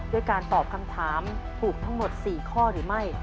ด้วยการตอบคำถามถูกทั้งหมด๔ข้อหรือไม่